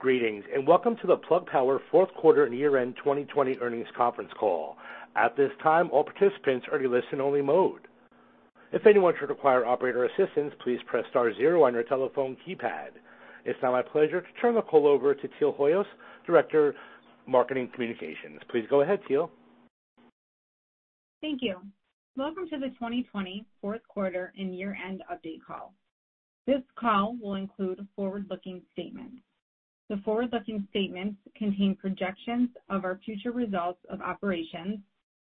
Greetings, and welcome to the Plug Power fourth quarter and year-end 2020 earnings conference call. At this time, all participants are in listen only mode. If anyone should require operator assistance, please press star zero on your telephone keypad. It's now my pleasure to turn the call over to Teal Hoyos, Director of Marketing Communications. Please go ahead, Teal. Thank you. Welcome to the 2020 fourth quarter and year-end update call. This call will include forward-looking statements. The forward-looking statements contain projections of our future results of operations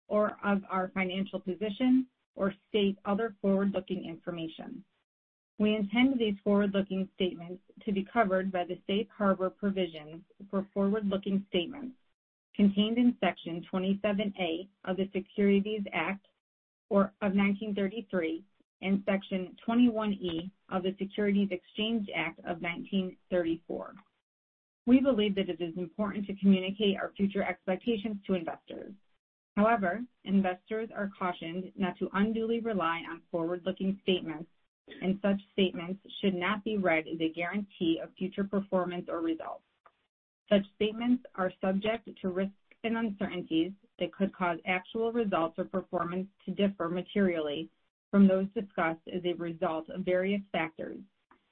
or of our financial position or state other forward-looking information. We intend these forward-looking statements to be covered by the safe harbor provisions for forward-looking statements contained in Section 27A of the Securities Act of 1933 and Section 21E of the Securities Exchange Act of 1934. We believe that it is important to communicate our future expectations to investors. However, investors are cautioned not to unduly rely on forward-looking statements, and such statements should not be read as a guarantee of future performance or results. Such statements are subject to risks and uncertainties that could cause actual results or performance to differ materially from those discussed as a result of various factors,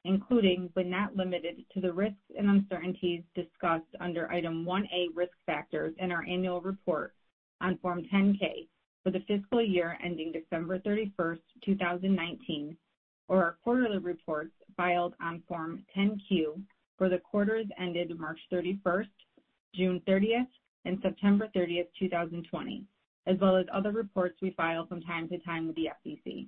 including but not limited to, the risks and uncertainties discussed under Item 1A Risk Factors in our annual report on Form 10-K for the fiscal year ending December 31st, 2019, or our quarterly reports filed on Form 10-Q for the quarters ended March 31st, June 30th and September 30th, 2020, as well as other reports we file from time to time with the SEC.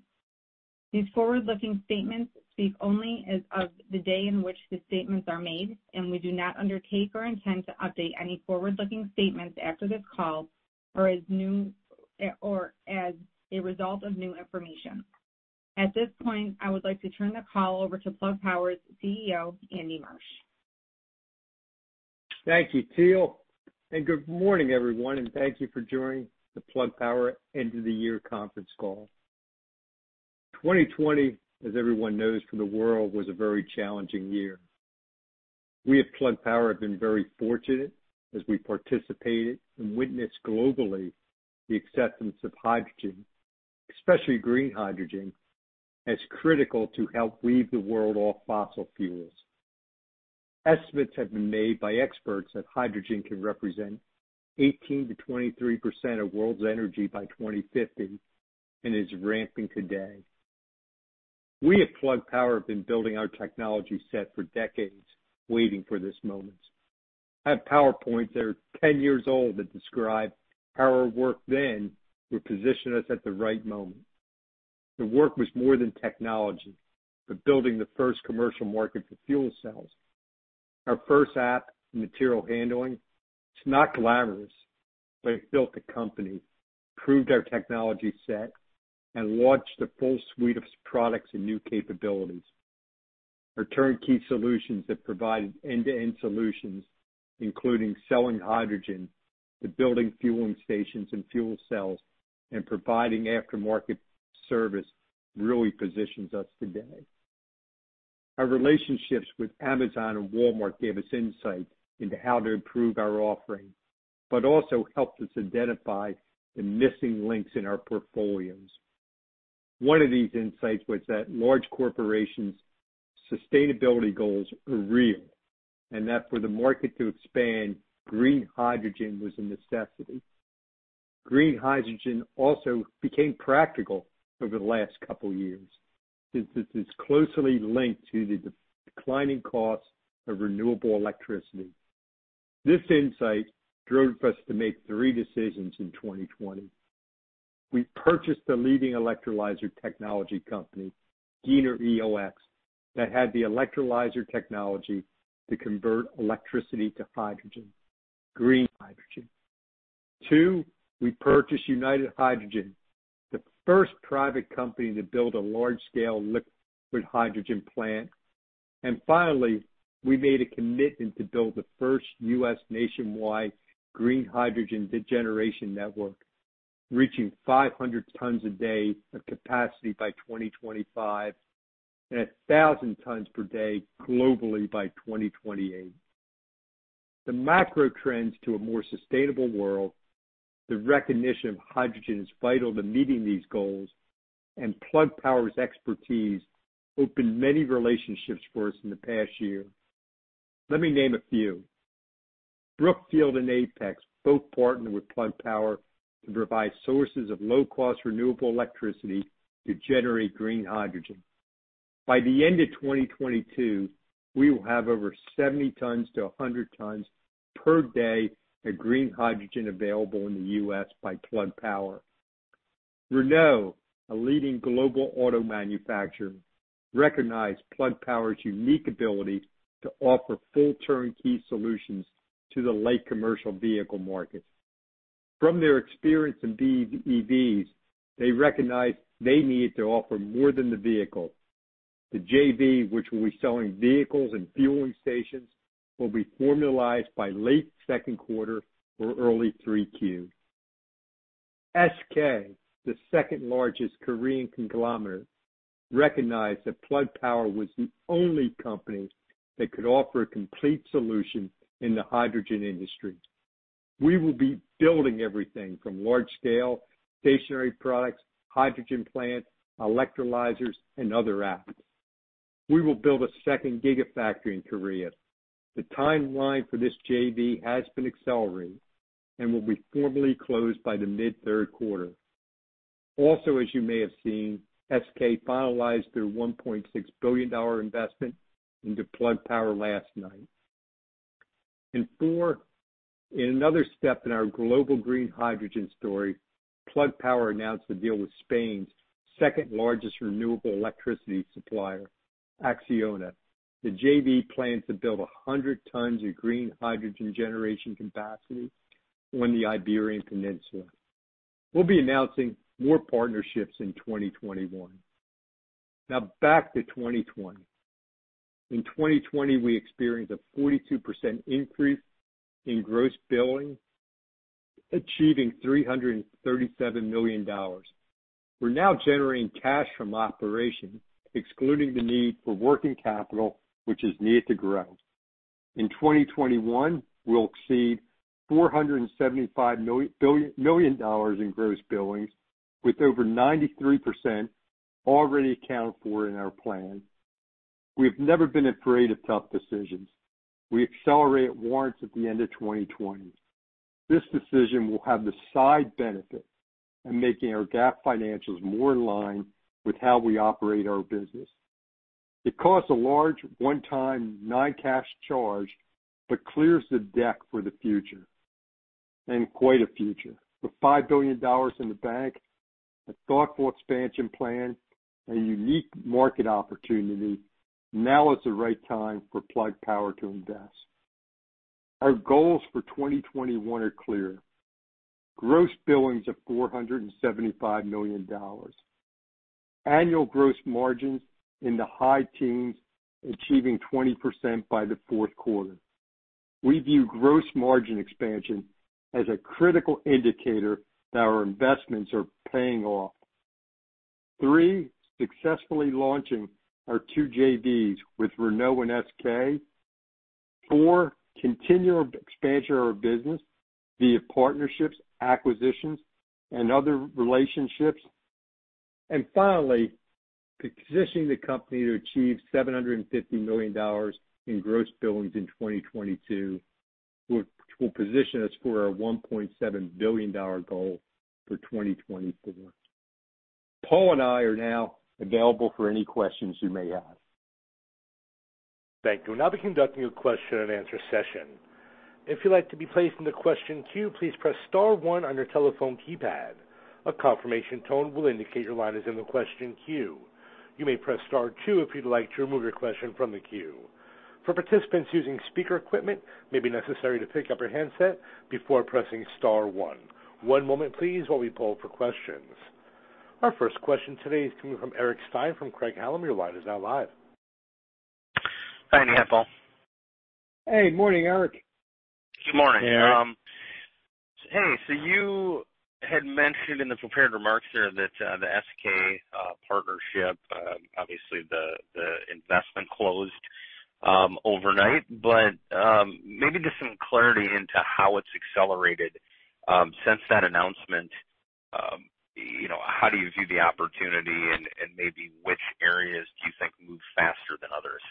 These forward-looking statements speak only as of the day in which the statements are made, and we do not undertake or intend to update any forward-looking statements after this call or as a result of new information. At this point, I would like to turn the call over to Plug Power's CEO, Andy Marsh. Thank you, Teal, and good morning, everyone, and thank you for joining the Plug Power end-of-the-year conference call. 2020, as everyone knows, for the world, was a very challenging year. We at Plug Power have been very fortunate as we participated and witnessed globally the acceptance of hydrogen, especially green hydrogen, as critical to help wean the world off fossil fuels. Estimates have been made by experts that hydrogen can represent 18% to 23% of world's energy by 2050. Is ramping today. We at Plug Power have been building our technology set for decades waiting for this moment. I have PowerPoints that are 10 years old that describe how our work then would position us at the right moment. The work was more than technology, but building the first commercial market for fuel cells. Our first app in material handling, it's not glamorous, but it built the company, proved our technology set, and launched a full suite of products and new capabilities. Our turnkey solutions that provided end-to-end solutions, including selling hydrogen to building fueling stations and fuel cells and providing aftermarket service, really positions us today. Our relationships with Amazon and Walmart gave us insight into how to improve our offering, but also helped us identify the missing links in our portfolios. One of these insights was that large corporations' sustainability goals are real, and that for the market to expand, green hydrogen was a necessity. Green hydrogen also became practical over the last couple of years since it is closely linked to the declining cost of renewable electricity. This insight drove us to make three decisions in 2020. We purchased the leading electrolyzer technology company, Giner ELX, that had the electrolyzer technology to convert electricity to hydrogen, green hydrogen. We purchased United Hydrogen, the first private company to build a large-scale liquid hydrogen plant. Finally, we made a commitment to build the first U.S. nationwide green hydrogen generation network, reaching 500 tons a day of capacity by 2025, and 1,000 tons per day globally by 2028. The macro trends to a more sustainable world, the recognition of hydrogen as vital to meeting these goals, and Plug Power's expertise opened many relationships for us in the past year. Let me name a few. Brookfield and Apex both partnered with Plug Power to provide sources of low-cost, renewable electricity to generate green hydrogen. By the end of 2022, we will have over 70 tons to 100 tons per day of green hydrogen available in the U.S. by Plug Power. Renault, a leading global auto manufacturer, recognized Plug Power's unique ability to offer full turnkey solutions to the light commercial vehicle market. From their experience in BEVs, they recognized they needed to offer more than the vehicle. The JV, which will be selling vehicles and fueling stations, will be formalized by late second quarter or early 3Q. SK, the second largest Korean conglomerate, recognized that Plug Power was the only company that could offer a complete solution in the hydrogen industry. We will be building everything from large-scale stationary products, hydrogen plants, electrolyzers, Other apps. We will build a second gigafactory in Korea. The timeline for this JV has been accelerated and will be formally closed by the mid-third quarter. As you may have seen, SK finalized their $1.6 billion investment into Plug Power last night. Four, in another step in our global green hydrogen story, Plug Power announced a deal with Spain's second largest renewable electricity supplier, Acciona. The JV plans to build 100 tons of green hydrogen generation capacity on the Iberian Peninsula. We'll be announcing more partnerships in 2021. Back to 2020. In 2020, we experienced a 42% increase in gross billings, achieving $337 million. We're now generating cash from operations, excluding the need for working capital, which is needed to grow. In 2021, we'll exceed $475 million in gross billings, with over 93% already accounted for in our plan. We've never been afraid of tough decisions. We accelerate warrants at the end of 2020. This decision will have the side benefit in making our GAAP financials more in line with how we operate our business. It costs a large one-time non-cash charge but clears the deck for the future, and quite a future. With $5 billion in the bank, a thoughtful expansion plan, and unique market opportunity, now is the right time for Plug Power to invest. Our goals for 2021 are clear. Gross billings of $475 million, annual gross margins in the high teens, achieving 20% by the fourth quarter. We view gross margin expansion as a critical indicator that our investments are paying off. Three, successfully launching our two JVs with Renault and SK. Four, continual expansion of our business via partnerships, acquisitions, and other relationships. Finally, positioning the company to achieve $750 million in gross billings in 2022, which will position us for our $1.7 billion goal for 2024. Paul and I are now available for any questions you may have. Thank you. We'll now be conducting a question-and-answer session. If you'd like to be placed in the question queue, please press star one on your telephone keypad. A confirmation tone will indicate your line is in the question queue. You may press star two if you'd like to remove your question from the queue. For participants using speaker equipment, it may be necessary to pick up your handset before pressing star one. One moment please while we poll for questions. Our first question today is coming from Eric Stine from Craig-Hallum. Your line is now live. Hi, Andy and Paul. Hey. Morning, Eric. Good morning. You had mentioned in the prepared remarks there that the SK partnership, obviously the investment closed overnight. Maybe just some clarity into how it's accelerated since that announcement. How do you view the opportunity and maybe which areas do you think move faster than others?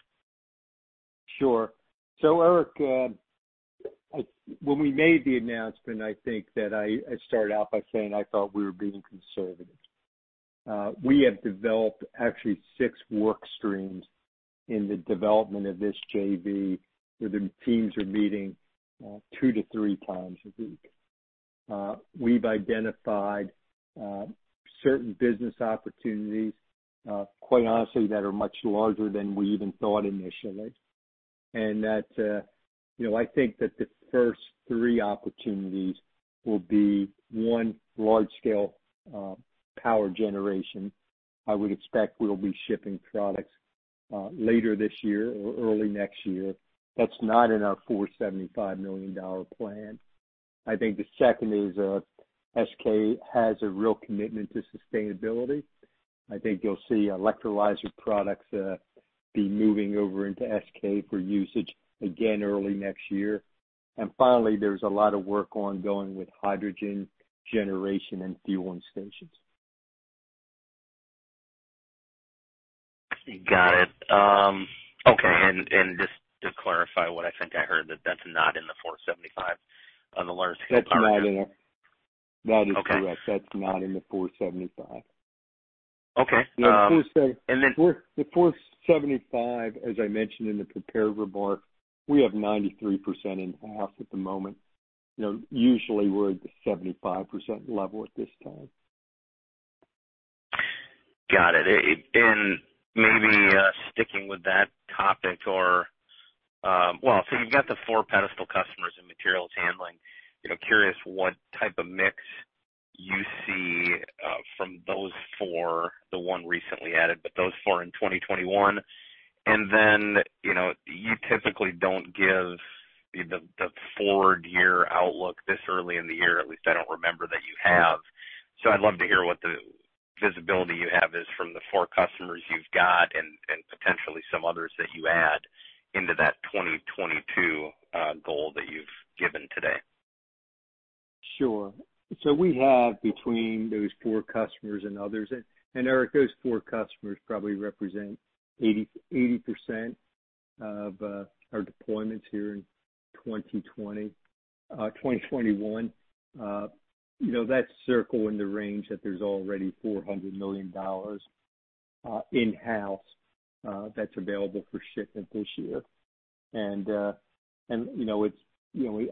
Sure. Eric, when we made the announcement, I think that I started out by saying I thought we were being conservative. We have developed actually six work streams in the development of this JV, where the teams are meeting 2x-3x a week. We've identified certain business opportunities, quite honestly, that are much larger than we even thought initially, and that I think that the first three opportunities will be, one, large-scale power generation. I would expect we'll be shipping products later this year or early next year. That's not in our $475 million plan. I think the second is SK has a real commitment to sustainability. I think you'll see electrolyzer products be moving over into SK for usage, again, early next year. Finally, there's a lot of work ongoing with hydrogen generation and fueling stations. Got it. Okay. Just to clarify what I think I heard, that that's not in the $475 million on the large-scale part. That is correct. That's not in the $475 million. The $475 million, as I mentioned in the prepared remarks, we have 93% in-house at the moment. Usually, we're at the 75% level at this time. Got it. Maybe sticking with that topic, well, you've got the four pedestal customers in materials handling. Curious what type of mix you see from those four, the one recently added, but those four in 2021? You typically don't give the forward-year outlook this early in the year, at least I don't remember that you have. I'd love to hear what the visibility you have is from the four customers you've got and potentially some others that you add into that 2022 goal that you've given today. Sure. We have between those four customers and others, and Eric, those four customers probably represent 80% of our deployments here in 2021. That circle in the range that there's already $400 million in-house that's available for shipment this year.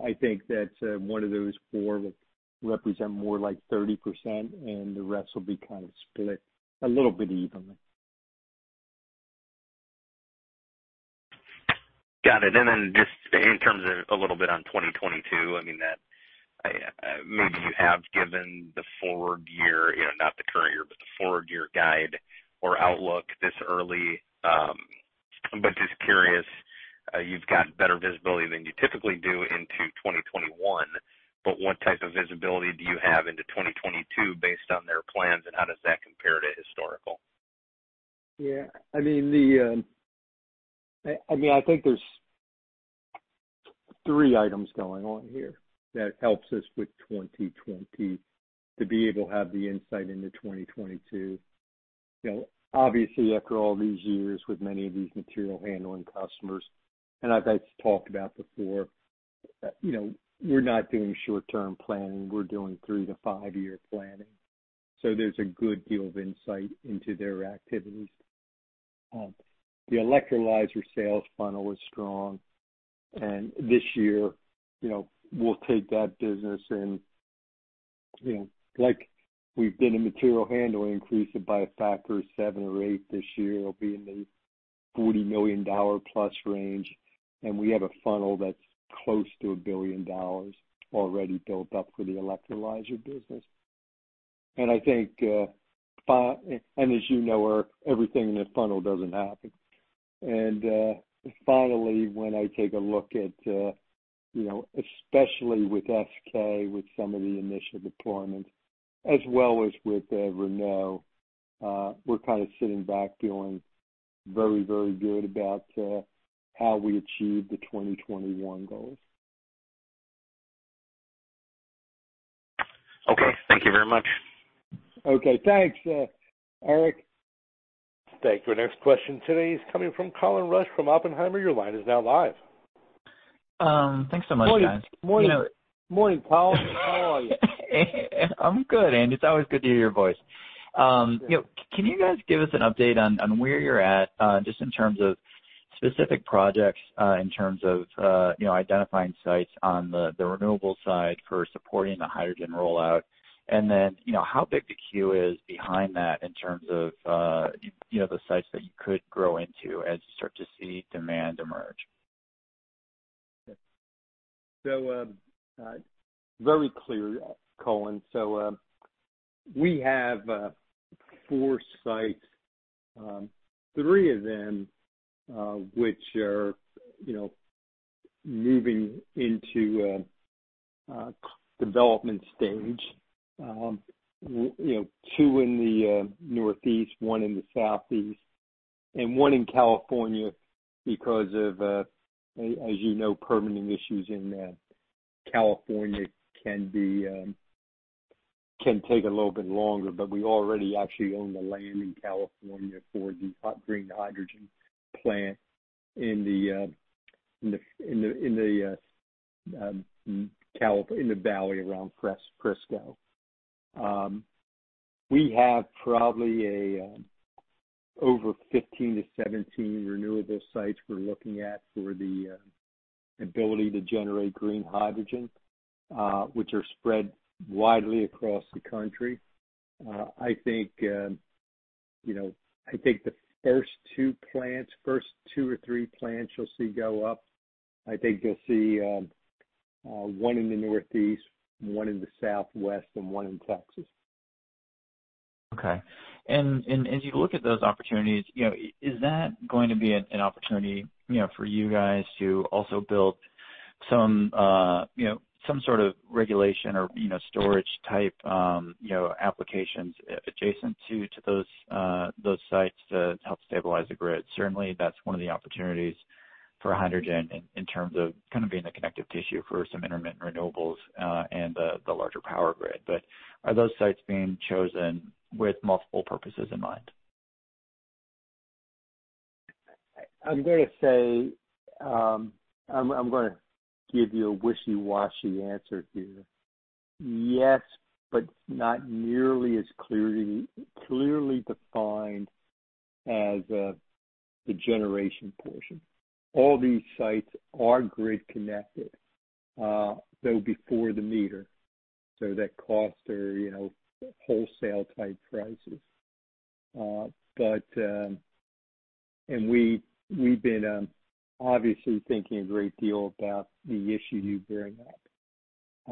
I think that one of those four would represent more like 30%, and the rest will be kind of split a little bit evenly. Got it. Just in terms of a little bit on 2022, maybe you have given the forward year, not the current year, but the forward-year guide or outlook this early. Just curious, you've got better visibility than you typically do into 2021, but what type of visibility do you have into 2022 based on their plans, and how does that compare to historical? Yeah. I think there's three items going on here that helps us with 2020 to be able to have the insight into 2022. Obviously, after all these years with many of these material handling customers, and as I talked about before, we're not doing short-term planning. We're doing three to five-year planning. There's a good deal of insight into their activities. The electrolyzer sales funnel was strong. This year, we'll take that business and like we've done in material handling, increase it by a factor of seven or eight this year. It'll be in the $40 million+ range. We have a funnel that's close to a billion dollars already built up for the electrolyzer business. As you know, Eric, everything in the funnel doesn't happen. Finally, when I take a look at, especially with SK, with some of the initial deployments, as well as with Renault, we're kind of sitting back feeling very, very good about how we achieve the 2021 goals. Okay. Thank you very much. Okay. Thanks, Eric. Thank you. Our next question today is coming from Colin Rusch from Oppenheimer. Your line is now live. Thanks so much, guys. Morning, Colin. How are you? I'm good, Andy. It's always good to hear your voice. Can you guys give us an update on where you're at just in terms of specific projects, in terms of identifying sites on the renewables side for supporting the hydrogen rollout, and then how big the queue is behind that in terms of the sites that you could grow into as you start to see demand emerge? Very clear, Colin. We have four sites, three of them which are moving into a development stage. Two in the Northeast, one in the Southeast, and one in California, because of, as you know, permitting issues in California can take a little bit longer, but we already actually own the land in California for the green hydrogen plant in the valley around Fresno. We have probably over 15-17 renewable sites we're looking at for the ability to generate green hydrogen, which are spread widely across the country. I think the first two or three plants you'll see go up, I think you'll see one in the Northeast, one in the Southwest, and 1 in Texas. Okay. As you look at those opportunities, is that going to be an opportunity for you guys to also build some sort of regulation or storage-type applications adjacent to those sites to help stabilize the grid? Certainly, that's one of the opportunities for hydrogen in terms of kind of being the connective tissue for some intermittent renewables and the larger power grid. Are those sites being chosen with multiple purposes in mind? I'm going to give you a wishy-washy answer here. Yes, not nearly as clearly defined as the generation portion. All these sites are grid connected, though before the meter, that cost are wholesale-type prices. We've been obviously thinking a great deal about the issue you bring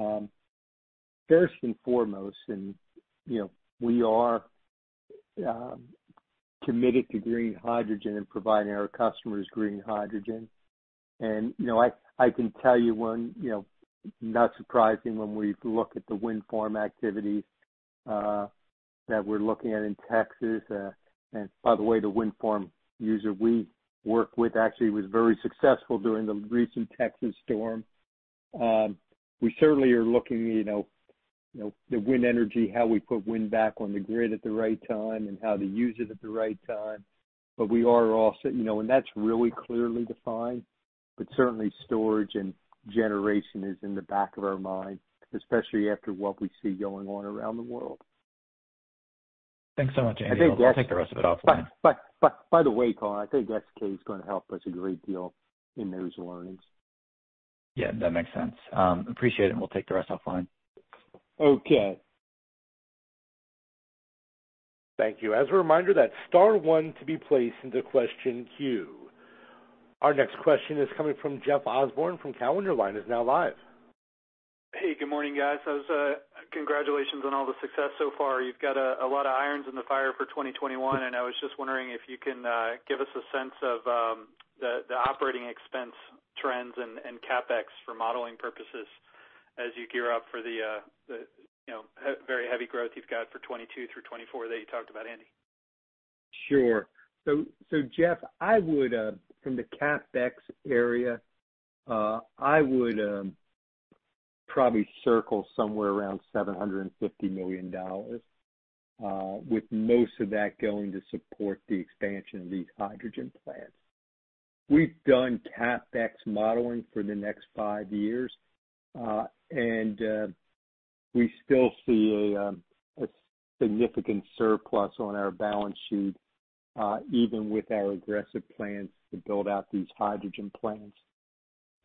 up. First and foremost, we are committed to green hydrogen and providing our customers green hydrogen. I can tell you, not surprising, when we look at the wind farm activity that we're looking at in Texas. By the way, the wind farm user we work with actually was very successful during the recent Texas storm. We certainly are looking, the wind energy, how we put wind back on the grid at the right time and how to use it at the right time. That's really clearly defined, but certainly storage and generation is in the back of our mind, especially after what we see going on around the world. Thanks so much, Andy. We'll take the rest of it offline. By the way, Paul, I think SK's going to help us a great deal in those learnings. Yeah, that makes sense. Appreciate it. We'll take the rest offline. Thank you. As a reminder, that's star one to be placed into question queue. Our next question is coming from Jeff Osborne from Cowen. Your line is now live. Hey, good morning, guys. Congratulations on all the success so far. You've got a lot of irons in the fire for 2021. I was just wondering if you can give us a sense of the OpEx trends and CapEx for modeling purposes as you gear up for the very heavy growth you've got for 2022 through 2024 that you talked about, Andy. Jeff, from the CapEx area, I would probably circle somewhere around $750 million, with most of that going to support the expansion of these hydrogen plants. We've done CapEx modeling for the next five years, and we still see a significant surplus on our balance sheet, even with our aggressive plans to build out these hydrogen plants.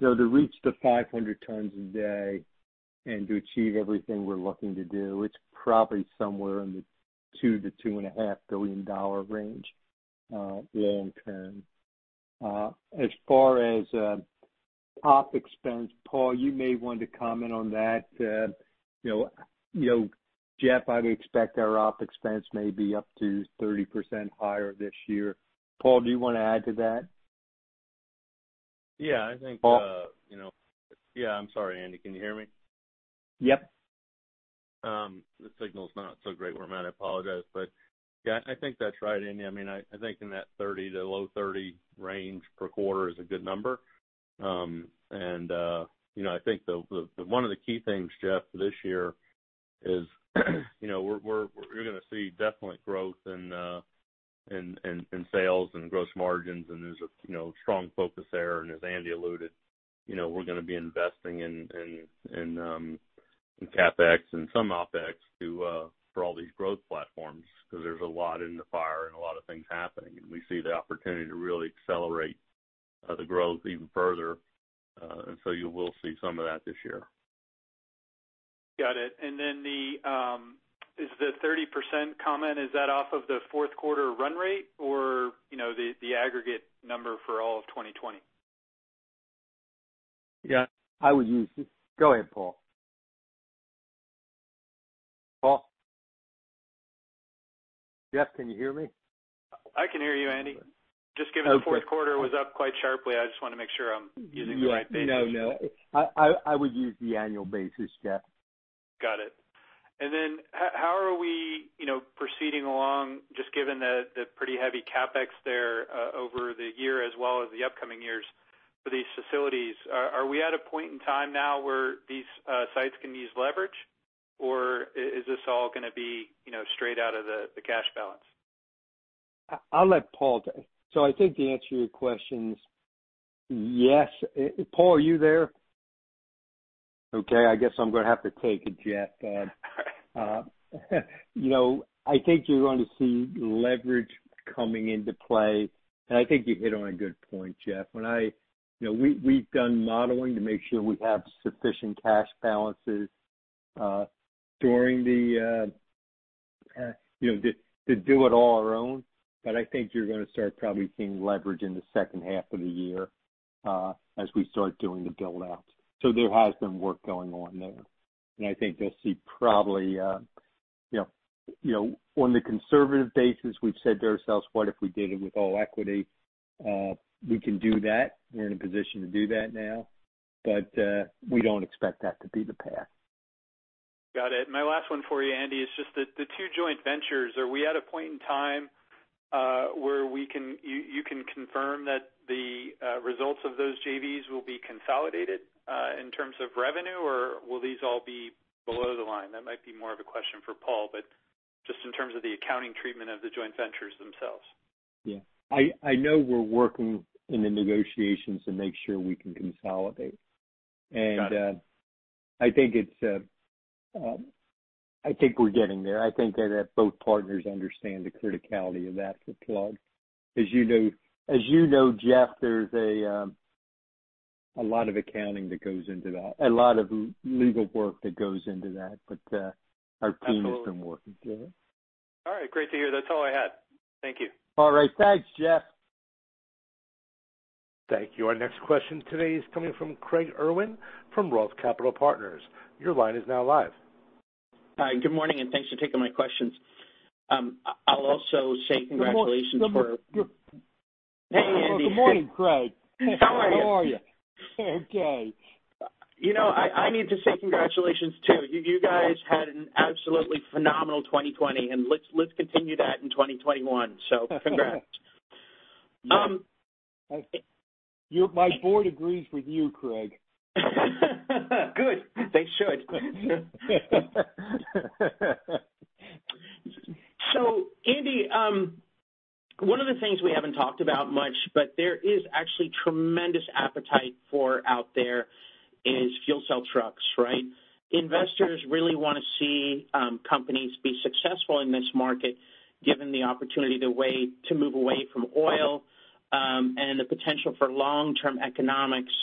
To reach the 500 tons a day and to achieve everything we're looking to do, it's probably somewhere in the $2 billion-$2.5 billion range long term. As far as OpEx, Paul, you may want to comment on that. Jeff, I'd expect our OpEx may be up to 30% higher this year. Paul, do you want to add to that. Paul? Yeah. I'm sorry, Andy, can you hear me? Yep. The signal's not so great where I'm at. I apologize. Yeah, I think that's right, Andy. I think in that 30% to low 30% range per quarter is a good number. I think one of the key things, Jeff, this year is, you're going to see definite growth in sales and gross margins, and there's a strong focus there. As Andy alluded, we're going to be investing in CapEx and some OpEx for all these growth platforms, because there's a lot in the fire and a lot of things happening, and we see the opportunity to really accelerate the growth even further. You will see some of that this year. Got it. The 30% comment, is that off of the fourth quarter run rate or the aggregate number for all of 2020? Yeah. Go ahead, Paul. Paul? Jeff, can you hear me? I can hear you, Andy. Just given the fourth quarter was up quite sharply, I just want to make sure I'm using the right basis. No, I would use the annual basis, Jeff. Got it. How are we proceeding along, just given the pretty heavy CapEx there over the year as well as the upcoming years for these facilities? Are we at a point in time now where these sites can use leverage? Or is this all going to be straight out of the cash balance? I think the answer to your question is yes. Paul, are you there? Okay, I guess I'm going to have to take it, Jeff. I think you're going to see leverage coming into play, and I think you hit on a good point, Jeff. We've done modeling to make sure we have sufficient cash balances to do it all our own. I think you're going to start probably seeing leverage in the second half of the year as we start doing the build-outs. There has been work going on there. I think you'll see probably on the conservative basis, we've said to ourselves, what if we did it with all equity? We can do that. We're in a position to do that now. We don't expect that to be the path. Got it. My last one for you, Andy, is just the two joint ventures. Are we at a point in time where you can confirm that the results of those JVs will be consolidated in terms of revenue? Will these all be below the line? That might be more of a question for Paul, but just in terms of the accounting treatment of the joint ventures themselves. Yeah. I know we're working in the negotiations to make sure we can consolidate. Got it. I think we're getting there. I think that both partners understand the criticality of that to Plug. As you know, Jeff, there's a lot of accounting that goes into that. A lot of legal work that goes into that, our team has been working through it. Absolutely. All right. Great to hear. That's all I had. Thank you. All right. Thanks, Jeff. Thank you. Our next question today is coming from Craig Irwin from Roth Capital Partners. Your line is now live. Hi, good morning, thanks for taking my questions. Good morning, Craig. How are you? How are you? Okay. I need to say congratulations, too. You guys had an absolutely phenomenal 2020, let's continue that in 2021. Congrats. My Board agrees with you, Craig. Good, they should. Andy, one of the things we haven't talked about much, but there is actually tremendous appetite for out there, is fuel cell trucks, right? Investors really want to see companies be successful in this market, given the opportunity to move away from oil, and the potential for long-term economics,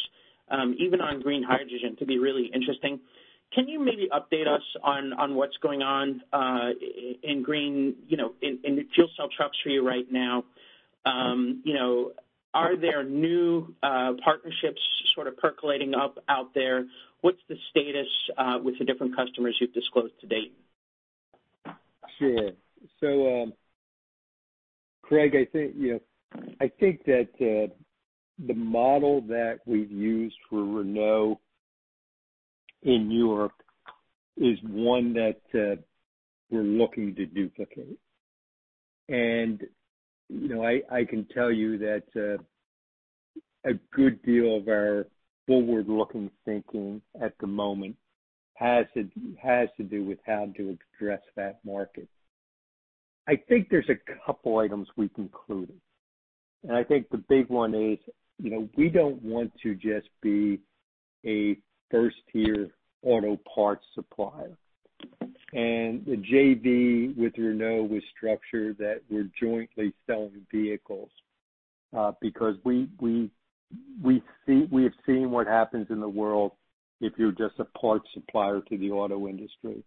even on green hydrogen, to be really interesting. Can you maybe update us on what's going on in fuel cell trucks for you right now? Are there new partnerships sort of percolating up out there? What's the status with the different customers you've disclosed to date? Sure. Craig, I think that the model that we've used for Renault in Europe is one that we're looking to duplicate. I can tell you that a good deal of our forward-looking thinking at the moment has to do with how to address that market. I think there's a couple items we've concluded, and I think the big one is, we don't want to just be a first-tier auto parts supplier. The JV with Renault was structured that we're jointly selling vehicles, because we have seen what happens in the world if you're just a parts supplier to the auto industry.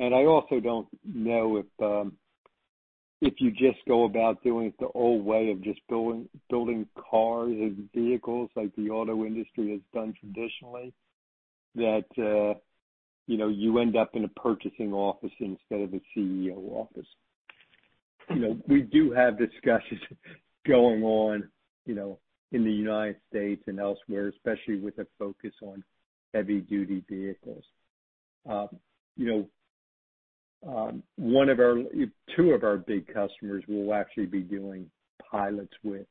I also don't know if you just go about doing it the old way of just building cars and vehicles like the auto industry has done traditionally, that you end up in a purchasing office instead of a CEO office. We do have discussions going on in the U.S. and elsewhere, especially with a focus on heavy-duty vehicles. Two of our big customers we'll actually be doing pilots with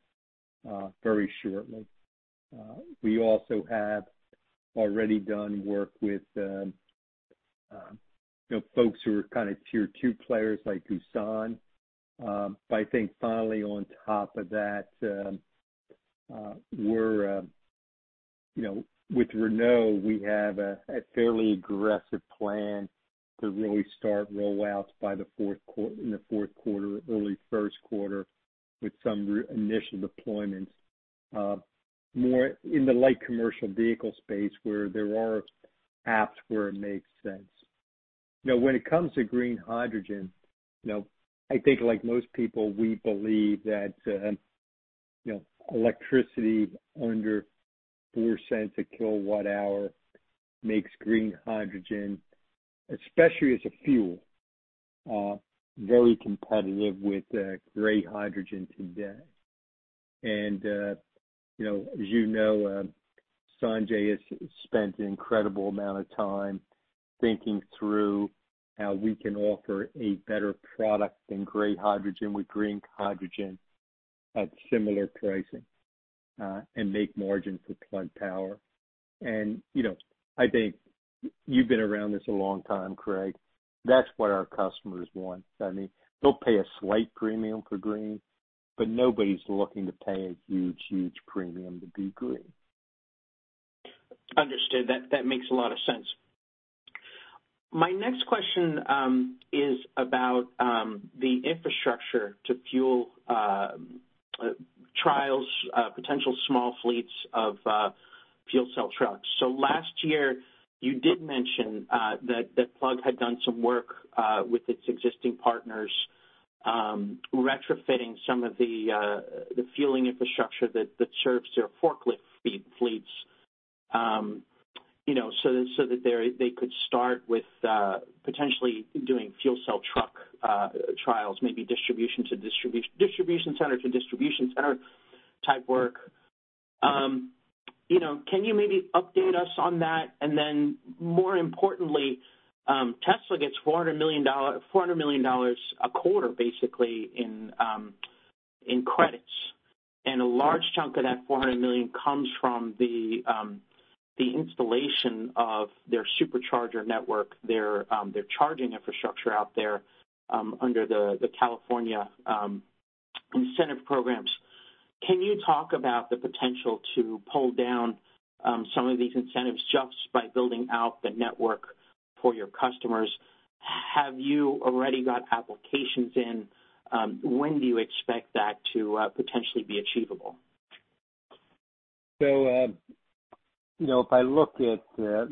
very shortly. We also have already done work with folks who are kind of Tier 2 players like Hyzon. I think finally on top of that, with Renault, we have a fairly aggressive plan to really start rollouts in the fourth quarter, early first quarter with some initial deployments, more in the light commercial vehicle space where there are apps where it makes sense. Now, when it comes to green hydrogen, I think like most people, we believe that electricity under $0.04 a kilowatt hour makes green hydrogen, especially as a fuel, very competitive with gray hydrogen today. As you know, Sanjay has spent an incredible amount of time thinking through how we can offer a better product than gray hydrogen with green hydrogen at similar pricing, and make margins with Plug Power. I think you've been around this a long time, Craig. That's what our customers want. They'll pay a slight premium for green, but nobody's looking to pay a huge premium to be green. Understood. That makes a lot of sense. My next question is about the infrastructure to fuel trials, potential small fleets of fuel cell trucks. Last year, you did mention that Plug had done some work with its existing partners, retrofitting some of the fueling infrastructure that serves their forklift fleets so that they could start with potentially doing fuel cell truck trials, maybe distribution center to distribution center type work. Can you maybe update us on that? More importantly, Tesla gets $400 million a quarter, basically, in credits. A large chunk of that $400 million comes from the installation of their Supercharger network, their charging infrastructure out there, under the California incentive programs. Can you talk about the potential to pull down some of these incentives just by building out the network for your customers? Have you already got applications in? When do you expect that to potentially be achievable? If I look at the,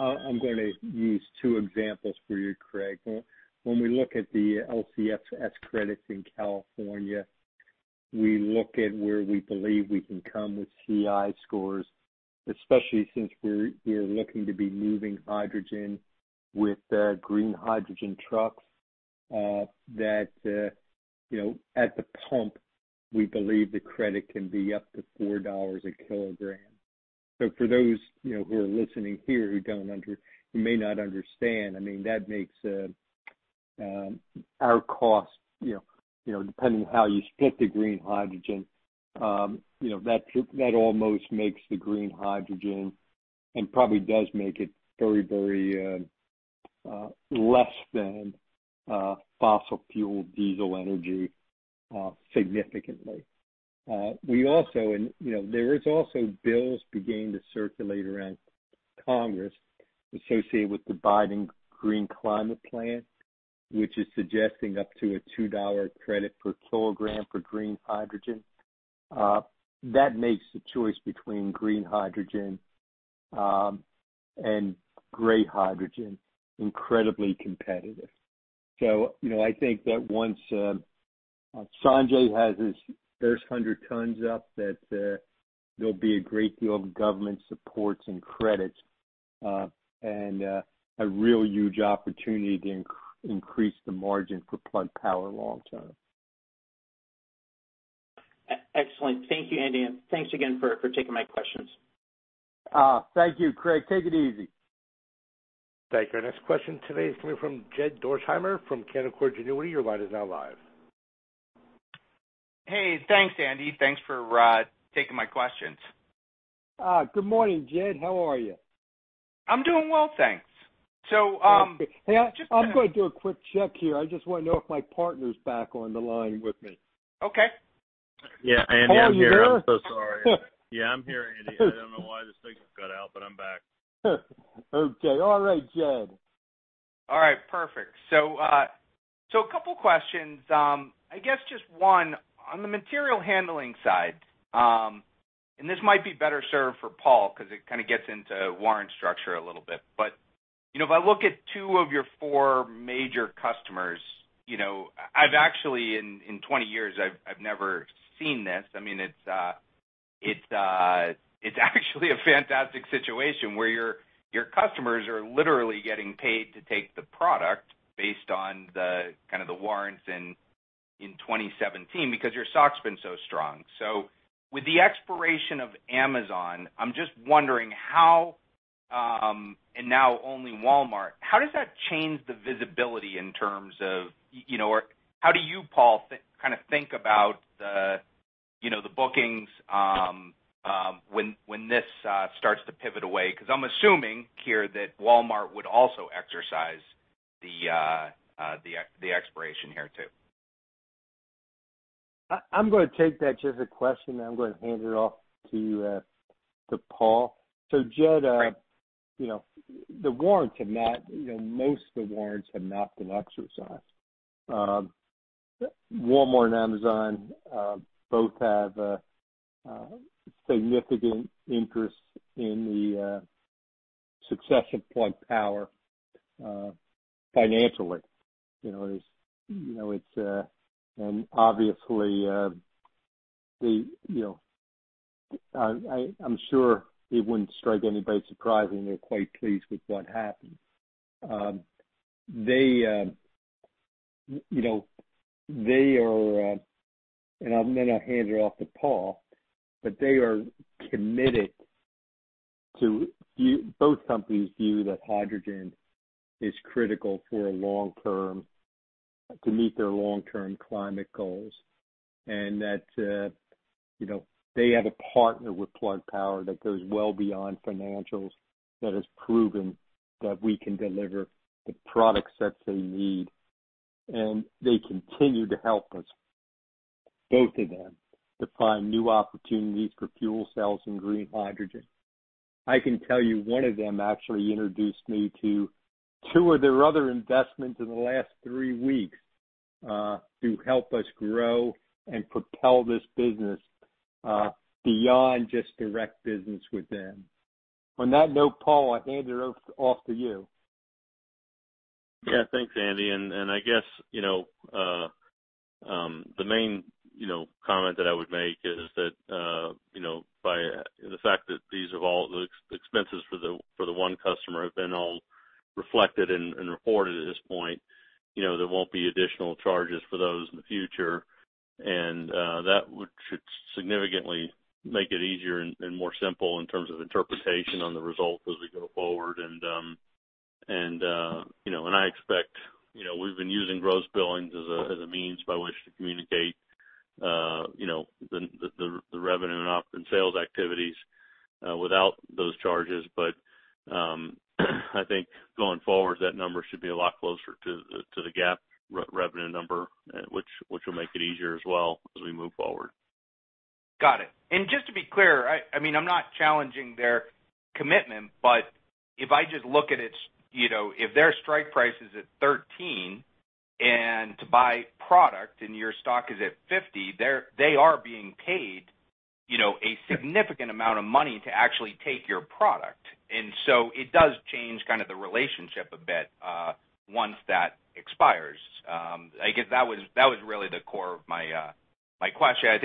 I'm going to use two examples for you, Craig. When we look at the LCFS credits in California, we look at where we believe we can come with CI scores, especially since we're looking to be moving hydrogen with green hydrogen trucks. That at the pump, we believe the credit can be up to $4 a kilogram. For those who are listening here who may not understand, that makes our cost, depending on how you split the green hydrogen, that almost makes the green hydrogen, and probably does make it very less than fossil fuel diesel energy, significantly. There is also bills beginning to circulate around Congress associated with the Biden Green Climate Plan, which is suggesting up to a $2 credit per kilogram for green hydrogen. That makes the choice between green hydrogen and gray hydrogen incredibly competitive. I think that once Sanjay has his first 100 tons up, that there'll be a great deal of government supports and credits, and a real huge opportunity to increase the margin for Plug Power long-term. Excellent. Thank you, Andy, and thanks again for taking my questions. Thank you, Craig. Take it easy. Thank you. Our next question today is coming from Jed Dorsheimer from Canaccord Genuity. Your line is now live. Hey, thanks, Andy. Thanks for taking my questions. Good morning, Jed. How are you? I'm doing well, thanks. Hey, I'm going to do a quick check here. I just want to know if my partner's back on the line with me. Paul, are you there? Andy, I'm here. I'm so sorry. I'm here, Andy. I don't know why this thing got out, but I'm back. Okay. All right, Jed. All right, perfect. A couple of questions. Just one. On the material handling side, and this might be better served for Paul, because it kind of gets into warrant structure a little bit. If I look at two of your four major customers, I've actually, in 20 years, I've never seen this. It's actually a fantastic situation where your customers are literally getting paid to take the product based on the warrants in 2017, because your stock's been so strong. With the expiration of Amazon, I'm just wondering how, and now only Walmart, how does that change the visibility or how do you, Paul, think about the bookings when this starts to pivot away? I'm assuming here that Walmart would also exercise the expiration here, too. I'm going to take that Jed question, and I'm going to hand it off to Paul. Most of the warrants have not been exercised. Walmart and Amazon both have a significant interest in the success of Plug Power financially. Obviously, I'm sure it wouldn't strike anybody surprising, they're quite pleased with what happened. I'm going to hand it off to Paul, but they are committed. Both companies view that hydrogen is critical to meet their long-term climate goals, and that they have a partner with Plug Power that goes well beyond financials that has proven that we can deliver the products that they need. They continue to help us, both of them, to find new opportunities for fuel cells and green hydrogen. I can tell you one of them actually introduced me to two of their other investments in the last three weeks, to help us grow and propel this business, beyond just direct business with them. On that note, Paul, I hand it off to you. Thanks, Andy. The main comment that I would make is that, by the fact that these expenses for the one customer have been all reflected and reported at this point, there won't be additional charges for those in the future. That should significantly make it easier and more simple in terms of interpretation on the results as we go forward. I expect, we've been using gross billings as a means by which to communicate the revenue and sales activities, without those charges. I think going forward, that number should be a lot closer to the GAAP revenue number, which will make it easier as well as we move forward. Got it. Just to be clear, I'm not challenging their commitment, but if their strike price is at $13 to buy product and your stock is at $50, they are being paid a significant amount of money to actually take your product. It does change kind of the relationship a bit, once that expires. I guess that was really the core of my question. To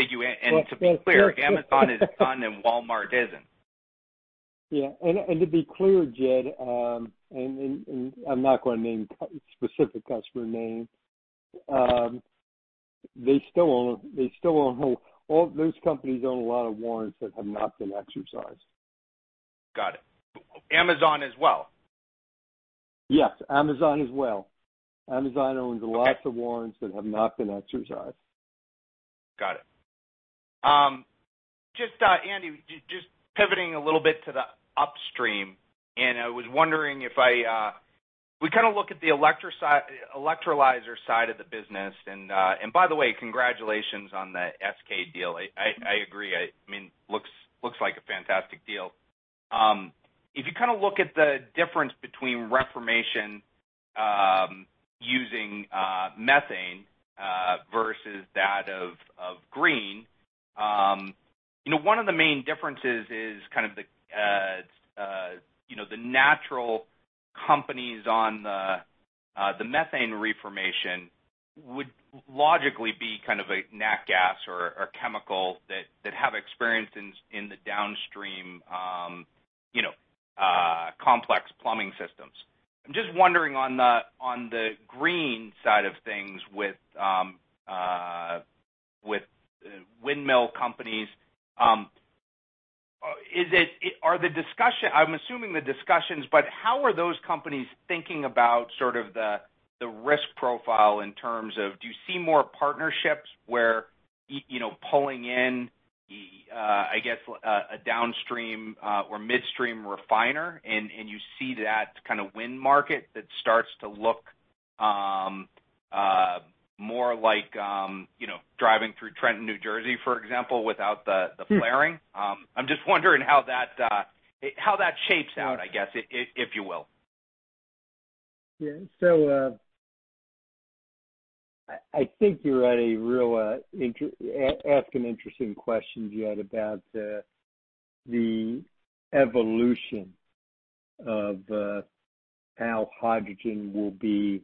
be clear, if Amazon is done and Walmart isn't. Yeah. To be clear, Jed, and I'm not going to name specific customer names, those companies own a lot of warrants that have not been exercised. Got it. Amazon as well? Yes, Amazon as well. Amazon owns lots of warrants that have not been exercised. Got it. Andy, just pivoting a little bit to the upstream, and I was wondering, we look at the electrolyzer side of the business, and by the way, congratulations on the SK deal. I agree. Looks like a fantastic deal. If you look at the difference between reformation using methane versus that of green, one of the main differences is the natural companies on the methane reformation would logically be kind of a nat gas or a chemical that have experience in the downstream complex plumbing systems. I'm just wondering on the green side of things with windmill companies, I'm assuming the discussions, but how are those companies thinking about the risk profile in terms of, do you see more partnerships where pulling in, I guess, a downstream or midstream refiner, and you see that kind of wind market that starts to look more like driving through Trenton, New Jersey, for example, without the flaring? I'm just wondering how that shapes out if you will. I think you ask an interesting question, Jed, about the evolution of how hydrogen will be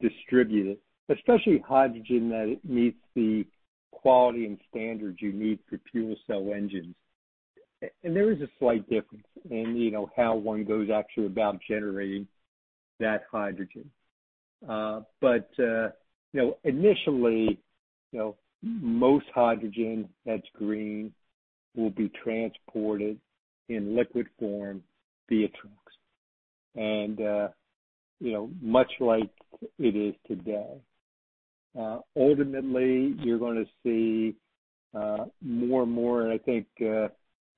distributed, especially hydrogen that meets the quality and standards you need for fuel cell engines. There is a slight difference in how one goes actually about generating that hydrogen. Initially, most hydrogen that's green will be transported in liquid form via trucks, and much like it is today. Ultimately, you're going to see more and more, and I think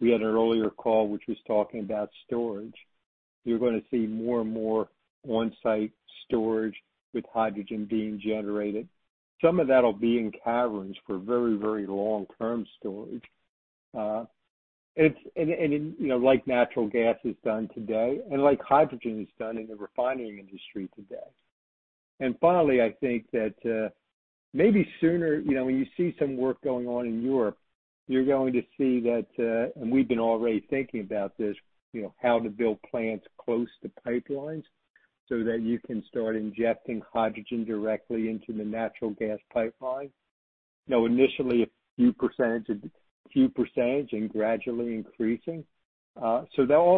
we had an earlier call, which was talking about storage. You're going to see more and more on-site storage with hydrogen being generated. Some of that'll be in caverns for very long-term storage. Like natural gas has done today, and like hydrogen has done in the refining industry today. Finally, I think that maybe sooner, when you see some work going on in Europe, you're going to see that, and we've been already thinking about this, how to build plants close to pipelines so that you can start injecting hydrogen directly into the natural gas pipeline. Initially a few percentage and gradually increasing. All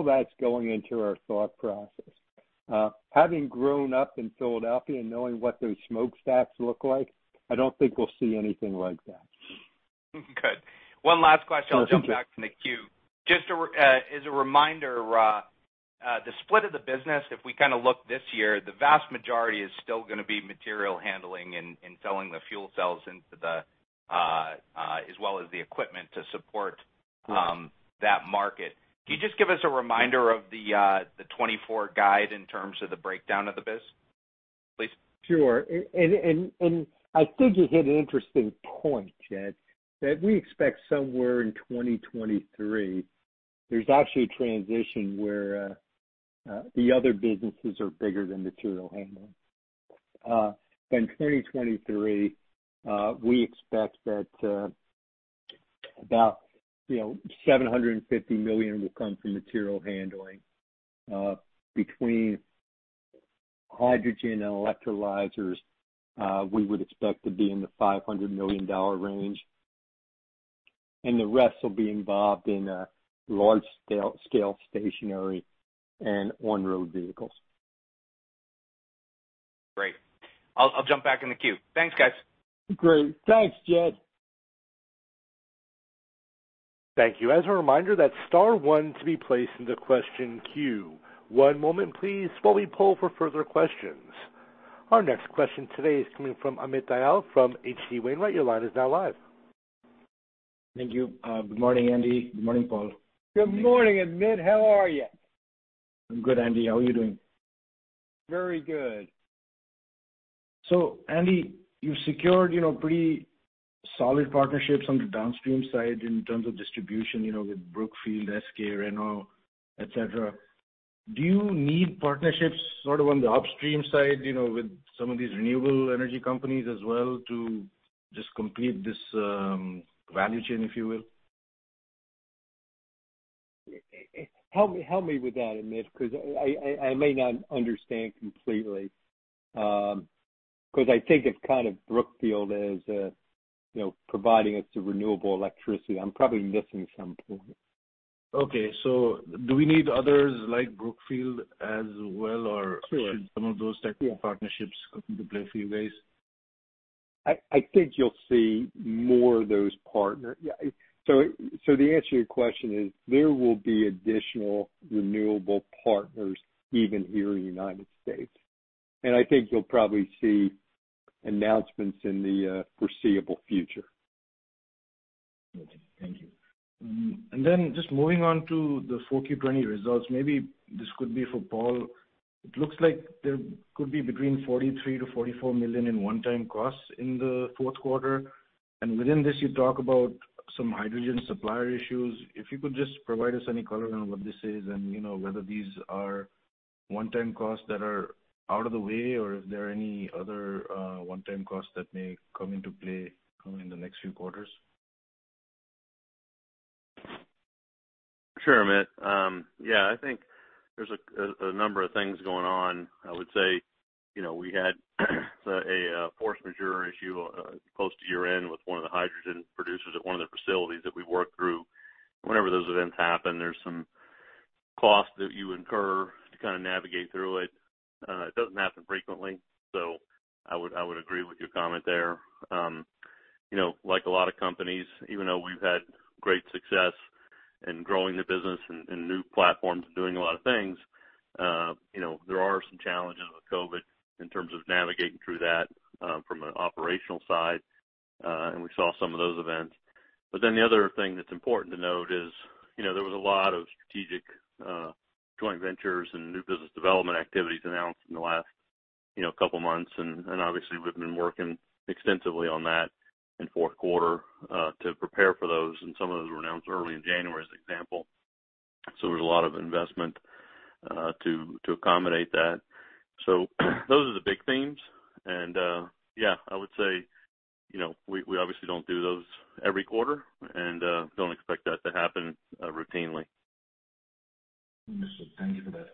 that's going into our thought process. Having grown up in Philadelphia and knowing what those smokestacks look like, I don't think we'll see anything like that. Good. One last question. Sure thing. I'll jump back in the queue. Just as a reminder, the split of the business, if we look this year, the vast majority is still going to be material handling and selling the fuel cells, as well as the equipment to support that market. Can you just give us a reminder of the 2024 guide in terms of the breakdown of the biz, please? Sure. I think you hit an interesting point, Jed, that we expect somewhere in 2023, there's actually a transition where the other businesses are bigger than material handling. In 2023, we expect that about $750 million will come from material handling. Between hydrogen and electrolyzers, we would expect to be in the $500 million range, and the rest will be involved in large-scale stationary and on-road vehicles. Great. I'll jump back in the queue. Thanks, guys. Great. Thanks, Jed. Thank you. As a reminder, that's star one to be placed in the question queue. One moment please, while we poll for further questions. Our next question today is coming from Amit Dayal from H.C. Wainwright. Your line is now live. Thank you. Good morning, Andy. Good morning, Paul. Good morning, Amit. How are you? I'm good, Andy. How are you doing? Very good. Andy, you've secured pretty solid partnerships on the downstream side in terms of distribution with Brookfield, SK, Renault, et cetera. Do you need partnerships sort of on the upstream side, with some of these renewable energy companies as well to just complete this value chain, if you will? Help me with that, Amit, because I may not understand completely. I think of Brookfield as providing us the renewable electricity. I'm probably missing some point. Okay. Do we need others like Brookfield as well should some of those types of partnerships come into play a few ways? I think you'll see more of those partner. The answer to your question is, there will be additional renewable partners even here in the United States. I think you'll probably see announcements in the foreseeable future. Okay, thank you. Moving on to the 4Q '20 results. Maybe this could be for Paul. It looks like there could be between $43 million-$44 million in one-time costs in the fourth quarter. Within this, you talk about some hydrogen supplier issues. If you could just provide us any color on what this is and whether these are one-time costs that are out of the way or is there any other one-time costs that may come into play in the next few quarters? Sure, Amit. I think there's a number of things going on. I would say, we had a force majeure issue close to year-end with one of the hydrogen producers at one of their facilities that we worked through. Whenever those events happen, there's some cost that you incur to kind of navigate through it. It doesn't happen frequently. I would agree with your comment there. Like a lot of companies, even though we've had great success in growing the business and new platforms and doing a lot of things, there are some challenges with COVID in terms of navigating through that, from an operational side. We saw some of those events. The other thing that's important to note is, there was a lot of strategic joint ventures and new business development activities announced in the last couple of months, and obviously we've been working extensively on that in fourth quarter, to prepare for those, and some of those were announced early in January as an example. There was a lot of investment to accommodate that. Those are the big themes and, yeah, I would say, we obviously don't do those every quarter and don't expect that to happen routinely. Understood. Thank you for that.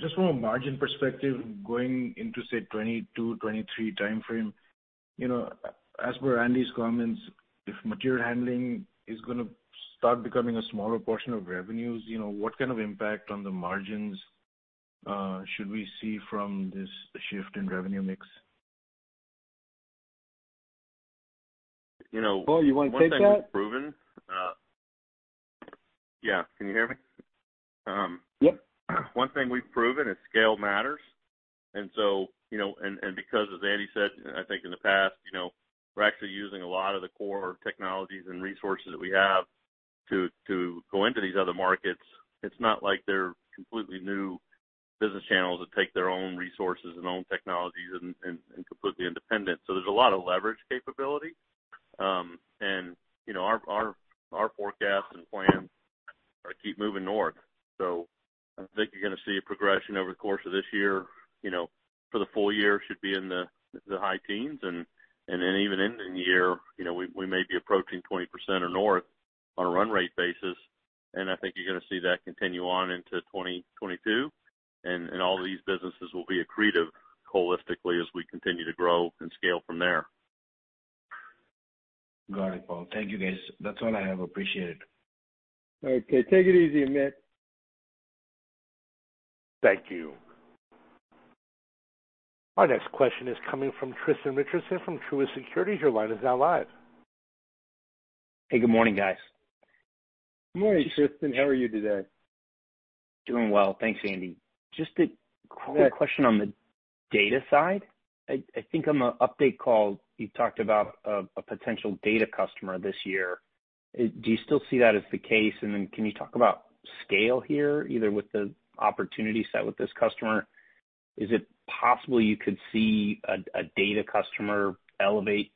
Just from a margin perspective, going into, say, 2022, 2023 timeframe, as per Andy's comments, if material handling is going to start becoming a smaller portion of revenues, what kind of impact on the margins should we see from this shift in revenue mix? Paul, you want to take that? One thing we've proven. Yeah. Can you hear me? One thing we've proven is scale matters, and because, as Andy said, I think in the past, we're actually using a lot of the core technologies and resources that we have to go into these other markets. It's not like they're completely new business channels that take their own resources and own technologies and completely independent. There's a lot of leverage capability. Our forecast and plan are to keep moving north. I think you're going to see a progression over the course of this year. For the full year should be in the high teens and then even ending the year, we may be approaching 20% or north on a run rate basis. I think you're going to see that continue on into 2022, and all these businesses will be accretive holistically as we continue to grow and scale from there. Got it, Paul. Thank you, guys. That's all I have. Appreciate it. Okay. Take it easy, Amit. Thank you. Our next question is coming from Tristan Richardson from Truist Securities. Your line is now live. Hey, good morning, guys. Good morning, Tristan. How are you today? Doing well. Thanks, Andy. A quick question on the data side. I think on the update call, you talked about a potential data customer this year. Do you still see that as the case? Can you talk about scale here, either with the opportunity set with this customer? Is it possible you could see a data customer elevate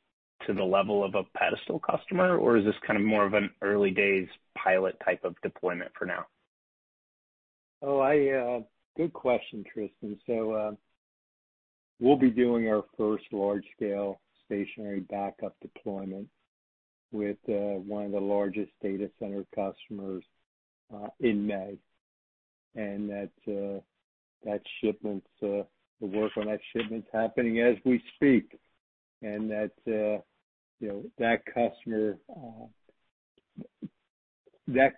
to the level of a pedestal customer, or is this kind of more of an early days pilot type of deployment for now? Oh, good question, Tristan. We'll be doing our first large-scale stationary backup deployment with one of the largest data center customers in May. The work on that shipment's happening as we speak, and that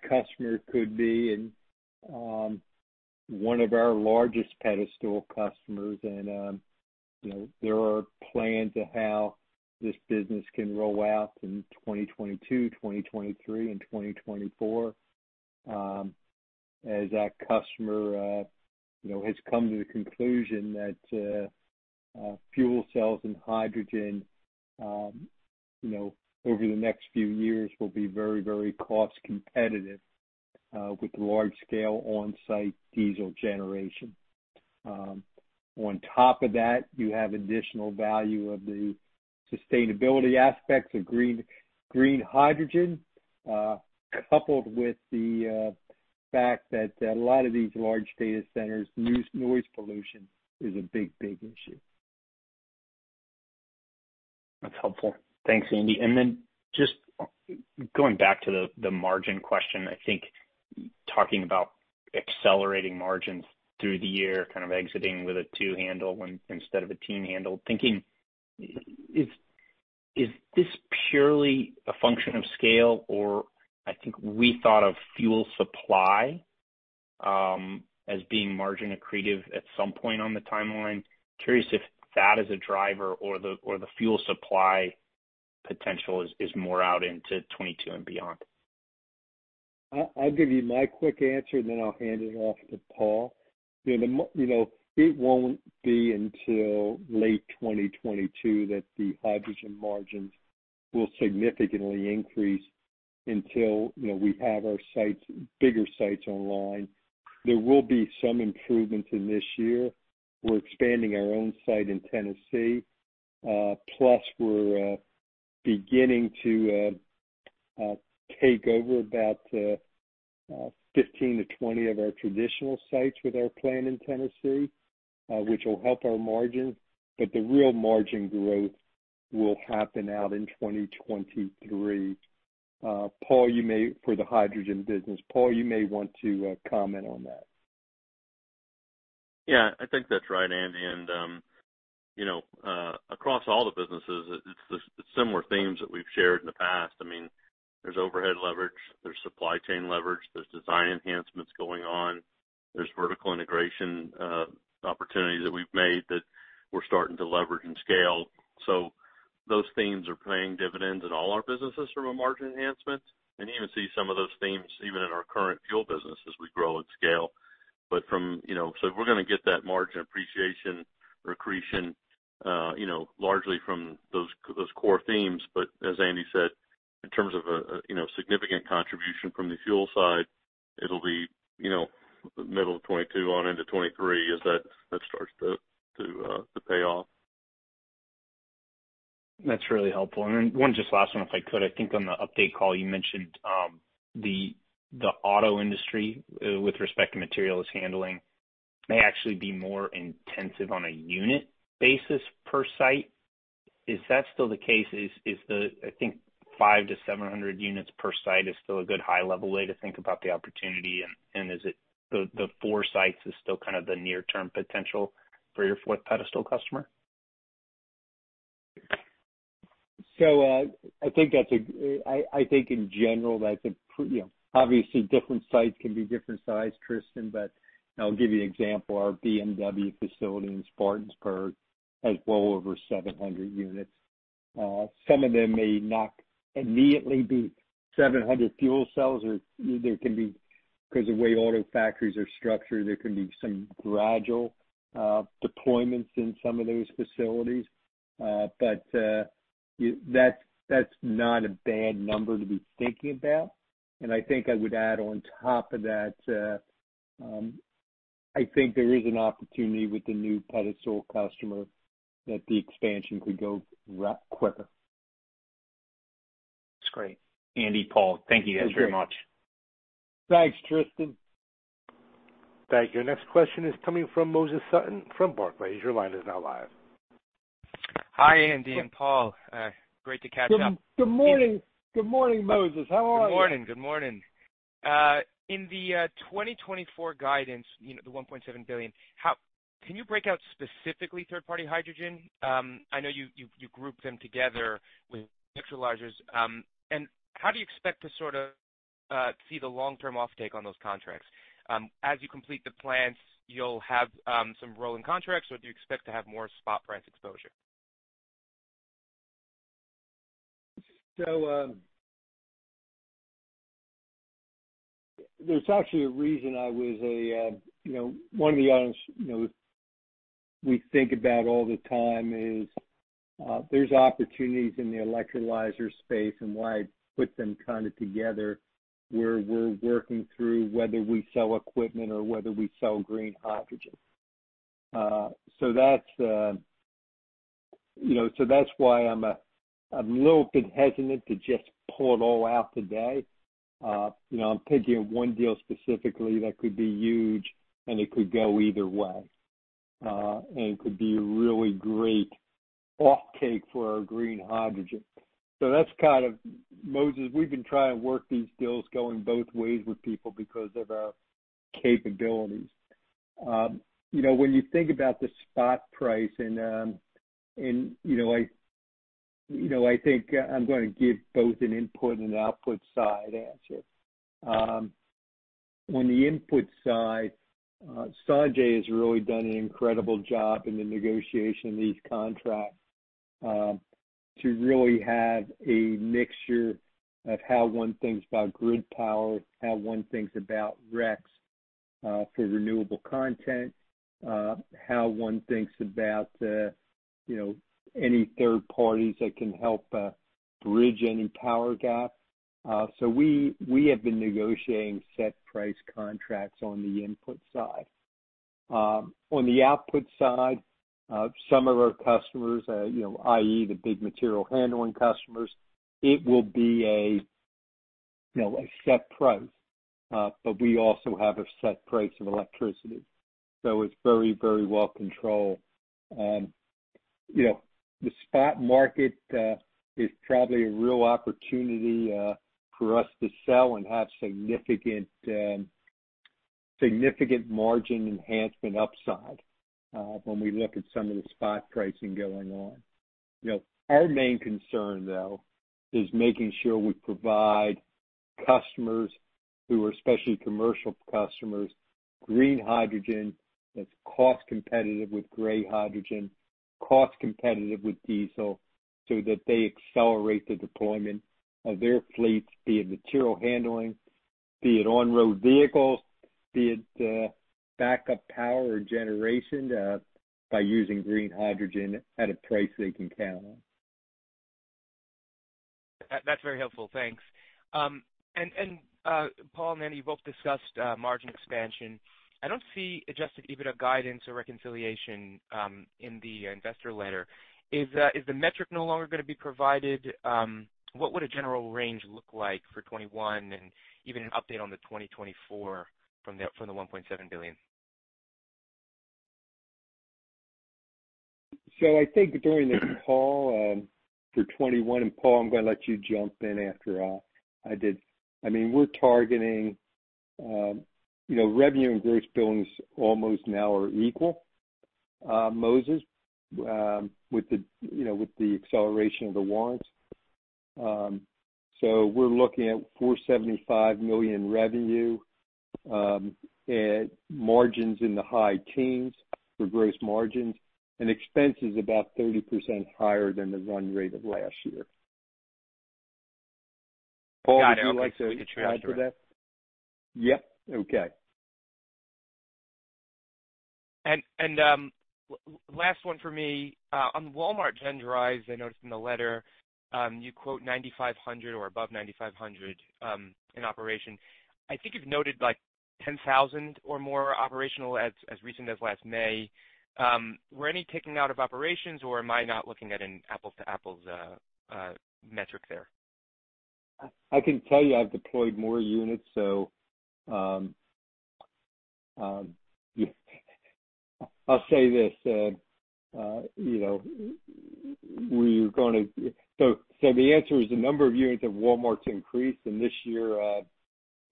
customer could be one of our largest pedestal customers and there are plans of how this business can roll out in 2022, 2023, and 2024, as that customer has come to the conclusion that fuel cells and hydrogen, over the next few years will be very, very cost competitive with large scale onsite diesel generation. On top of that, you have additional value of the sustainability aspects of green hydrogen, coupled with the fact that a lot of these large data centers, noise pollution is a big, big issue. That's helpful. Thanks, Andy. Just going back to the margin question, I think talking about accelerating margins through the year, kind of exiting with a two handle when instead of a teen handle, thinking is this purely a function of scale? I think we thought of fuel supply, as being margin accretive at some point on the timeline. Curious if that is a driver or the fuel supply potential is more out into 2022 and beyond. I'll give you my quick answer and then I'll hand it off to Paul. It won't be until late 2022 that the hydrogen margins will significantly increase until we have our bigger sites online. There will be some improvements in this year. We're expanding our own site in Tennessee, plus we're beginning to take over about 15 to 20 of our traditional sites with our plant in Tennessee, which will help our margin. The real margin growth will happen out in 2023. For the hydrogen business, Paul, you may want to comment on that. That's right, Andy. Across all the businesses, it's the similar themes that we've shared in the past. There's overhead leverage, there's supply chain leverage, there's design enhancements going on. There's vertical integration opportunities that we've made that we're starting to leverage and scale. Those themes are paying dividends in all our businesses from a margin enhancement. You even see some of those themes even in our current fuel business as we grow at scale. We're going to get that margin appreciation, accretion, largely from those core themes. As Andy said, in terms of a significant contribution from the fuel side, it'll be middle of 2022 on into 2023 as that starts to pay off. That's really helpful. Then one just last one, if I could. I think on the update call you mentioned, the auto industry with respect to materials handling may actually be more intensive on a unit basis per site. Is that still the case? Is the 500-700 units per site is still a good high-level way to think about the opportunity? Is it the four sites is still kind of the near-term potential for your fourth pedestal customer? I think in general that's obviously different sites can be different size, Tristan. I'll give you an example. Our BMW facility in Spartanburg has well over 700 units. Some of them may not immediately be 700 fuel cells. There can be, because the way auto factories are structured, there can be some gradual deployments in some of those facilities. That's not a bad number to be thinking about. I think I would add on top of that, I think there is an opportunity with the new Pedestal customer that the expansion could go quicker. That's great. Andy, Paul, thank you guys very much. Thanks, Tristan. Thank you. Next question is coming from Moses Sutton from Barclays. Your line is now live. Hi, Andy and Paul. Great to catch up. Good morning. Good morning, Moses. How are you? Good morning. Good morning. In the 2024 guidance, the $1.7 billion, can you break out specifically third-party hydrogen? I know you group them together with electrolyzers. How do you expect to sort of see the long-term offtake on those contracts? As you complete the plants, you'll have some rolling contracts, or do you expect to have more spot price exposure? There's actually a reason One of the items we think about all the time is, there's opportunities in the electrolyzer space and why I put them together, where we're working through whether we sell equipment or whether we sell green hydrogen. That's why I'm a little bit hesitant to just pull it all out today. I'm thinking of one deal specifically that could be huge and it could go either way. It could be a really great offtake for our green hydrogen. That's, Moses, we've been trying to work these deals going both ways with people because of our capabilities. When you think about the spot price and I think I'm going to give both an input and an output side answer. On the input side, Sanjay has really done an incredible job in the negotiation of these contracts, to really have a mixture of how one thinks about grid power, how one thinks about RECs. For renewable content, how one thinks about any third parties that can help bridge any power gap. We have been negotiating set price contracts on the input side. On the output side, some of our customers, i.e., the big material handling customers, it will be a set price. We also have a set price of electricity, so it's very well controlled. The spot market is probably a real opportunity for us to sell and have significant margin enhancement upside when we look at some of the spot pricing going on. Our main concern, though, is making sure we provide customers who are, especially commercial customers, green hydrogen that's cost-competitive with gray hydrogen, cost -competitive with diesel, so that they accelerate the deployment of their fleets, be it material handling, be it on-road vehicles, be it backup power or generation, by using green hydrogen at a price they can count on. That's very helpful. Thanks. Paul and Andy, you both discussed margin expansion. I don't see adjusted EBITDA guidance or reconciliation in the investor letter. Is the metric no longer going to be provided? What would a general range look like for 2021 and even an update on the 2024 from the $1.7 billion? During the call, for 2021, and Paul, I'm going to let you jump in after I did. We're targeting revenue and gross billings almost now are equal, Moses, with the acceleration of the warrants. We're looking at $475 million revenue at margins in the high teen percentage for gross margins, and expenses about 30% higher than the run rate of last year. Paul, would you like to add to that? Last one for me. On Walmart GenDrive, I noticed in the letter, you quote 9,500 or above 9,500 in operation. I think you've noted like 10,000 or more operational as recent as last May. Were any taken out of operations or am I not looking at an apples to apples metric there? I can tell you I've deployed more units, so I'll say this. The answer is the number of units of Walmart's increased, and this year,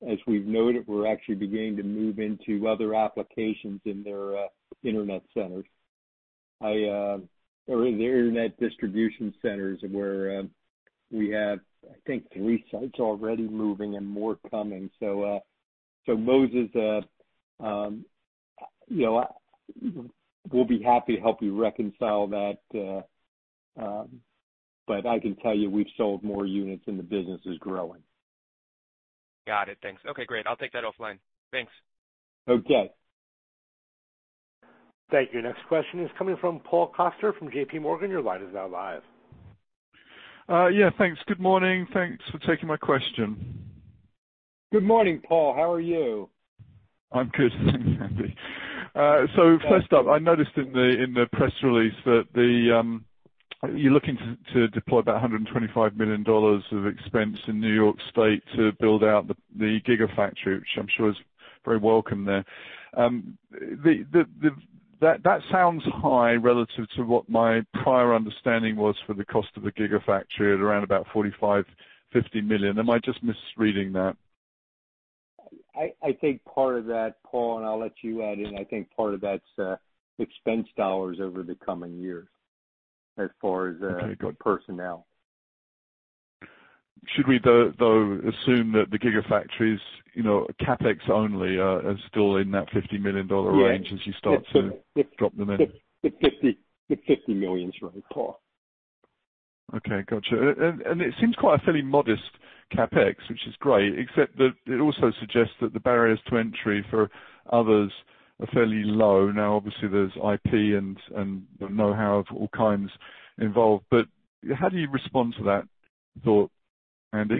as we've noted, we're actually beginning to move into other applications in their internet centers or their internet distribution centers, where we have three sites already moving and more coming. Moses, we'll be happy to help you reconcile that. I can tell you we've sold more units and the business is growing. Got it. Thanks. Okay, great. I'll take that offline. Thanks. Thank you. Next question is coming from Paul Coster from JPMorgan. Your line is now live. Thanks. Good morning. Thanks for taking my question. Good morning, Paul. How are you? I'm good, thanks, Andy. First up, I noticed in the press release that you're looking to deploy about $125 million of expense in New York State to build out the gigafactory, which I'm sure is very welcome there. That sounds high relative to what my prior understanding was for the cost of the gigafactory at around about $45 million, $50 million. Am I just misreading that? I think part of that, Paul, and I'll let you add in, I think part of that's expense dollars over the coming years as far as personnel. Should we, though, assume that the gigafactories, CapEx only, are still in that $50 million range as you start to drop them in? The $50 million is right, Paul. Okay, got you. It seems quite a fairly modest CapEx, which is great, except that it also suggests that the barriers to entry for others are fairly low. Now, obviously, there's IP and know-how of all kinds involved, but how do you respond to that thought, Andy?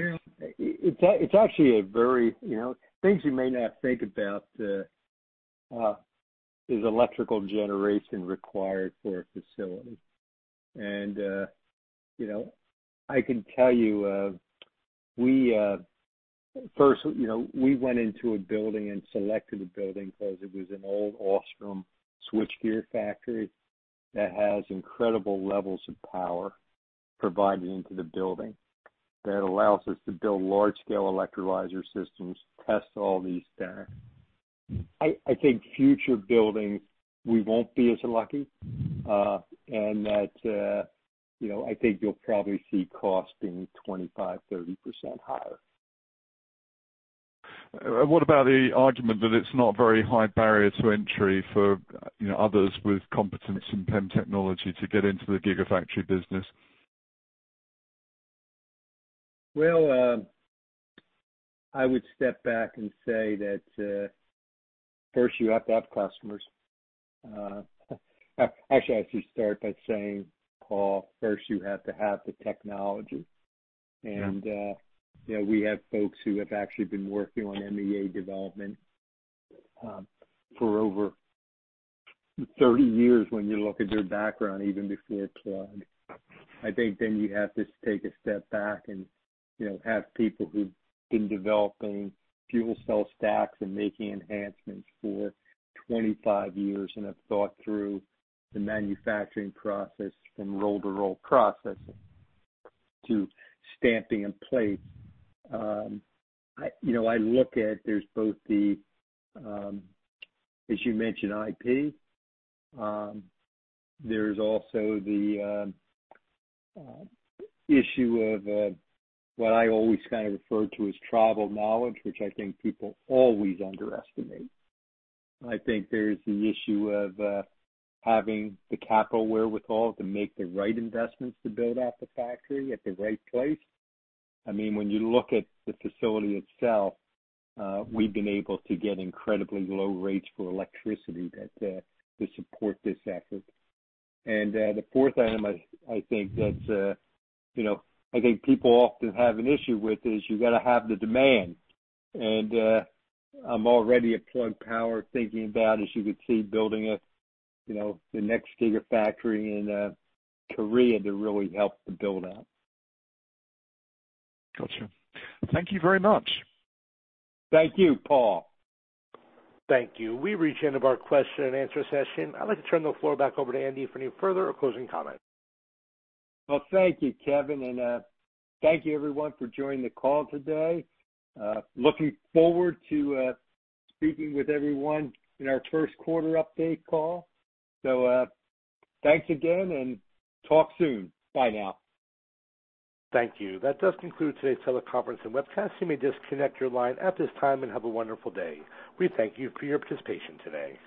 It's actually things you may not think about is electrical generation required for a facility. I can tell you, first, we went into a building and selected a building because it was an old Alstom switchgear factory that has incredible levels of power provided into the building that allows us to build large-scale electrolyzer systems, test all these there. I think future buildings, we won't be as lucky, and that I think you'll probably see costs being 25%, 30% higher. What about the argument that it's not very high barrier to entry for others with competence in PEM technology to get into the gigafactory business? Well, I would step back and say that, first, you have to have customers. Actually, I should start by saying, Paul, first you have to have the technology. We have folks who have actually been working on MEA development for over 30 years when you look at their background, even before Plug. I think you have to take a step back and have people who've been developing fuel cell stacks and making enhancements for 25 years, and have thought through the manufacturing process from roll-to-roll processing to stamping and plate. I look at, there's both the, as you mentioned, IP. There's also the issue of what I always kind of refer to as tribal knowledge, which I think people always underestimate. I think there's the issue of having the capital wherewithal to make the right investments to build out the factory at the right place. When you look at the facility itself, we've been able to get incredibly low rates for electricity to support this effort. The fourth item I think people often have an issue with is you've got to have the demand. I'm already at Plug Power thinking about, as you could see, building the next gigafactory in Korea to really help the build-out. Got you. Thank you very much. Thank you, Paul. Thank you. We've reached the end of our question-and-answer session. I'd like to turn the floor back over to Andy for any further or closing comments. Thank you, Kevin, and thank you, everyone, for joining the call today. Looking forward to speaking with everyone in our first quarter update call. Thanks again, and talk soon. Bye now. Thank you. That does conclude today's teleconference and webcast. You may disconnect your line at this time, and have a wonderful day. We thank you for your participation today.